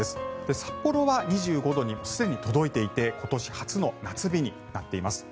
札幌は２５度にすでに届いていて今年初の夏日になっています。